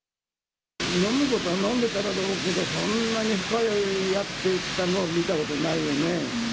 飲むことは飲んでただろうけど、そんなに深酔いしたのは見たことないよね。